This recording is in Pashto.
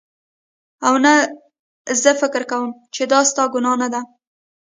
او نه زه فکر کوم چې دا ستا ګناه نده